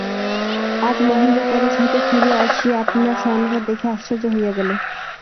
আজ মহেন্দ্র কালেজ হইতে ফিরিয়া আসিয়া আপনার শয়নঘর দেখিয়া আশ্চর্য হইয়া গেল।